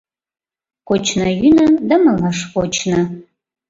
Кочна-йӱна да малаш вочна...